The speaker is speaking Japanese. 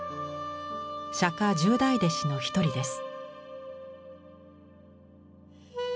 釈十大弟子の一人です。